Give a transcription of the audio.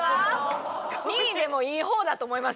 ２位でもいい方だと思います